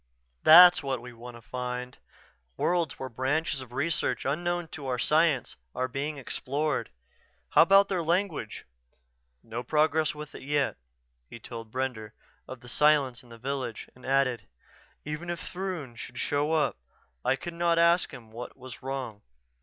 "That's what we want to find worlds where branches of research unknown to our science are being explored. How about their language?" "No progress with it yet." He told Brender of the silence in the village and added, "Even if Throon should show up I could not ask him what was wrong.